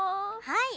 はい。